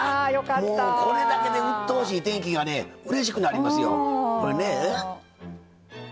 もうこれだけでうっとうしい天気がうれしくなりますよ。